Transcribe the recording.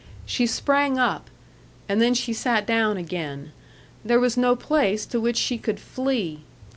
She sprang up and then she sat down again. There was no place to which she could flee.